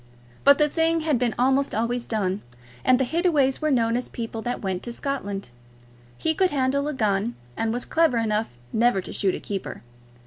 But the thing had been almost always done, and the Hittaways were known as people that went to Scotland. He could handle a gun, and was clever enough never to shoot a keeper.